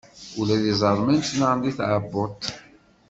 Ula d iẓerman ttnaɣen di tɛebbuḍt.